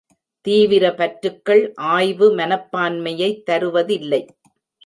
தீவிர பற்றுக்கள் ஆய்வு மனப்பான்மையைத் தருவதில்லை.